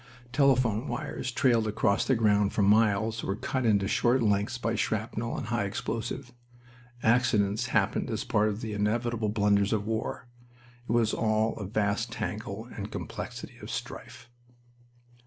Telephone wires trailed across the ground for miles, were cut into short lengths by shrapnel and high explosive. Accidents happened as part of the inevitable blunders of war. It was all a vast tangle and complexity of strife.